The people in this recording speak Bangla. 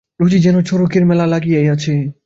রোজই যেন চড়কের মেলা লাগিয়াই আছে।